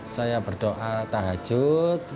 saya berdoa tahajud